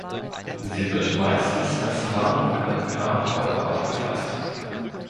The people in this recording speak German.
Sie wird meistens als Warnung an Grabräuber aufgefasst.